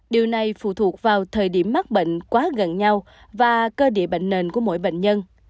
điều này phụ thuộc vào thời điểm mắc bệnh quá gần nhau và cơ địa bệnh nền của mỗi bệnh nhân